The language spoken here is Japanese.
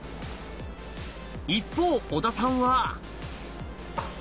一方小田さんは。